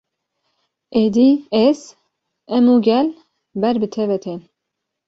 Êdî ez, em û gel ber bi te ve tên